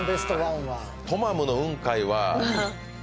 トマムの雲海は。